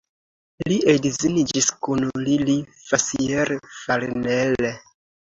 Li edziniĝis kun Lili Fassier-Farnell.